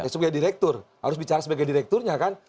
sebagai direktur harus bicara sebagai direkturnya kan